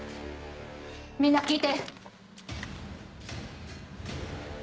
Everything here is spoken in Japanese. みんな聞いて！